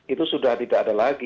itu sudah tidak ada lagi